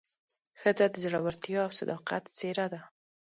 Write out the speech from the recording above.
ښځه د زړورتیا او صداقت څېره ده.